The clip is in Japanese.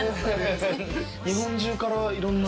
日本中からいろんな。